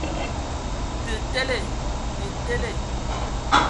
Tə tele! Te tele.